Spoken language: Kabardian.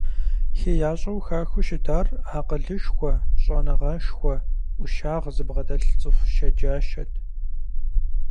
ХеящӀэу хахыу щытар акъылышхуэ, щӀэныгъэшхуэ. Ӏущагъ зыбгъэдэлъ цӀыху щэджащэт.